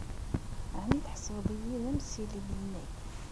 Ɛni tḥesbed-iyi d amsillel-nnek?